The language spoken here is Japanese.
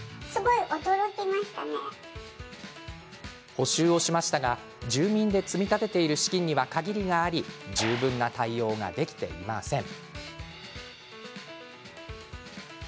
補修をしましたが住民で積み立てている資金には限りがあり十分な対応ができていません。